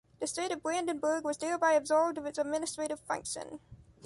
The state of Brandenburg was thereby absolved of its administrative function.